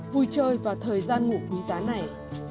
vui chơi và thời gian ngủ quý giá này